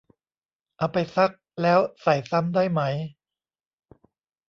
เอาไปซักแล้วใส่ซ้ำได้ไหม